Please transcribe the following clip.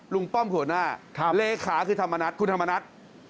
ลุงป้อมหัวหน้าเหรคาคือธรรมนัฐ